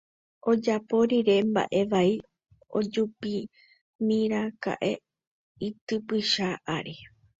Ojapo rire mba'e vai ojupímiraka'e itypycha ári